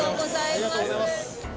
ありがとうございます。